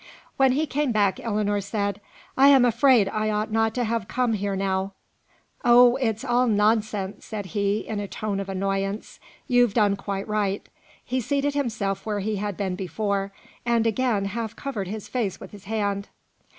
When he came back, Ellinor said: "I am afraid I ought not to have come here now." "Oh! it's all nonsense!" said he, in a tone of annoyance. "You've done quite right." He seated himself where he had been before; and again half covered his face with his hand.